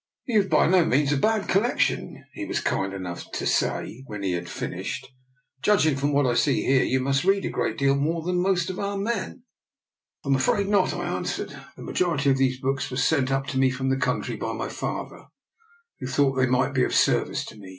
*' You've by no means a bad collection," he was kind enough to say, when he had finished. " Judging from what I see here, you must read a great deal more than most of our men." DR. NIKOLA'S EXPERIMENT. 13 " I'm afraid not," I answered. " The majority of these books were sent up to me from the country by my father, who thought they might be of service to me.